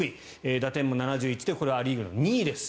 打点も７１でア・リーグの２位です。